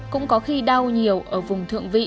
cũng có khi đau nhiều ở vùng thượng vị